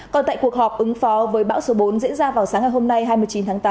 còn tại cuộc họp ứng phó với bão số bốn diễn ra vào sáng ngày hôm nay hai mươi chín tháng tám